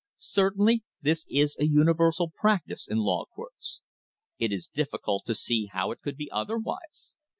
Certainly this is a universal practice in law courts. It is difficult to see how it could be otherwise.